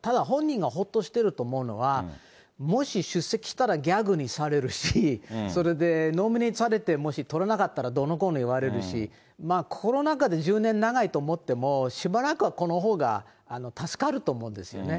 ただ本人がほっとしていると思うのは、もし出席したらギャグにされるし、それで、ノミネートされて、もし取れなかったらどうのこうの言われるし、コロナ禍で１０年長いと思っても、しばらくはこのほうが助かると思うんですよね。